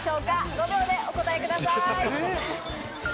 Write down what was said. ５秒でお答えください。